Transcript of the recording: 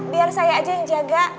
biar saya aja yang jaga